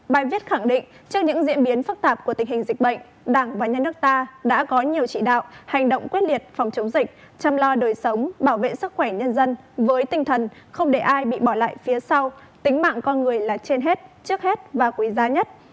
bài viết khẳng định trước những diễn biến phức tạp của tình hình dịch bệnh đảng và nhân nước ta đã có nhiều trị đạo hành động quyết liệt phòng chống dịch chăm lo đời sống bảo vệ sức khỏe nhân dân với tinh thần không để ai bị bỏ lại phía sau tính mạng con người là trên hết trước hết và quý giá nhất